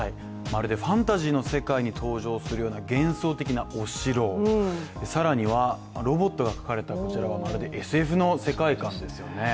まるでファンタジーの世界に登場するような幻想的なお城、更にはロボットが描かれた、こちらはまるでＳＦの世界観ですよね。